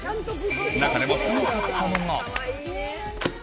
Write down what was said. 中でもすごかったのが。